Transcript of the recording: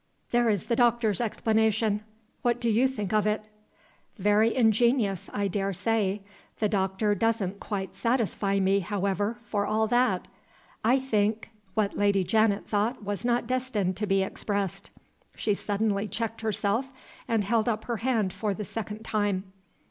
There is the doctor 's explanation. What do you think of it?" "Very ingenious, I dare say. The doctor doesn't quite satisfy me, however, for all that. I think " What Lady Janet thought was not destined to be expressed. She suddenly checked herself, and held up her hand for the second time.